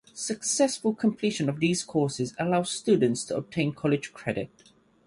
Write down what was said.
Successful completion of these courses allows students to obtain college credit.